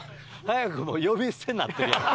早くも呼び捨てになってるやん。